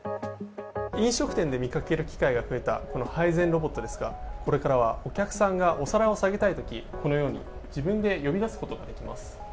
飲食店で見かける機会が増えたこの配膳ロボットですがこれからは、お客さんがお皿を下げたいとき、このように自分で呼び出すことができます。